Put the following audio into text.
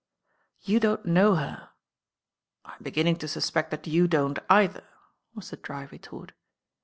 You don't know her." "I'm beginning to suspect that you don't either." was the dry retort.